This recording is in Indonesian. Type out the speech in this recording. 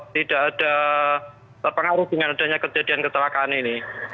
tidak ada terpengaruh dengan adanya kejadian kecelakaan ini